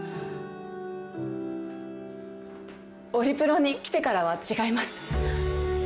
オリプロに来てからは違います。